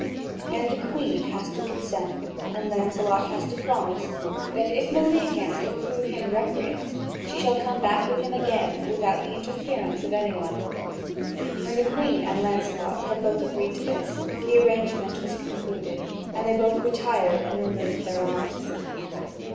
And the Queen has to consent, and Lancelot has to promise, that if Meleagant can prove him recreant, she shall come back with him again without the interference of any one. When the Queen and Lancelot had both agreed to this, the arrangement was concluded, and they both retired and removed their arms.